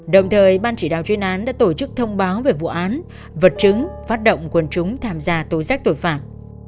đồng thời ban chỉ đạo chuyên án đã tổ chức thông báo về vụ án vật chứng phát động quân chúng tham gia tố giác tội phạm